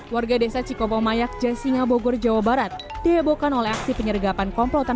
warga desa cikopo mayak jasinga bogor jawa barat dihebohkan oleh aksi penyergapan komplotan